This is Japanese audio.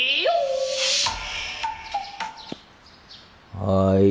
はい。